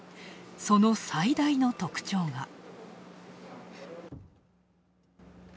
その最大の特徴が。